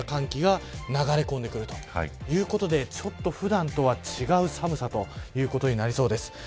ここが西日本、東日本に北海道に入るような寒気が流れ込んでくるということでちょっと普段とは違う寒さということになりそうです。